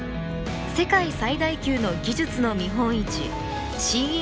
世界最大級の技術の見本